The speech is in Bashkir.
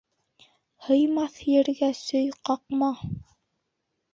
Һыймаҫ ергә сөй ҡаҡма.